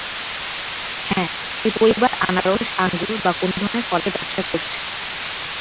হ্যাঁ, এই পরিবার আনারস, আঙুর বা কোনো ধরনের ফলের ব্যবসা করছে।